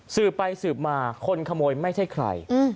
สืบไปสืบมาคนขโมยไม่ใช่ใคร